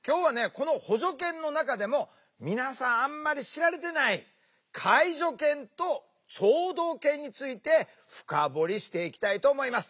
この補助犬の中でも皆さんあんまり知られていない介助犬と聴導犬について深掘りしていきたいと思います。